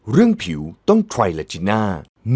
เรื่องผิวต้องใครล่ะจีน่า